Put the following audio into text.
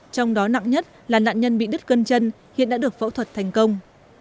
trong đó nặng nhất là nạn nhân bị đứt cân chân hiện đã được phẫu thuật thành công